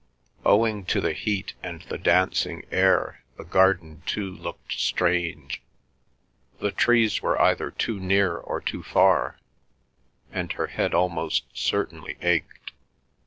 Owing to the heat and the dancing air the garden too looked strange—the trees were either too near or too far, and her head almost certainly ached.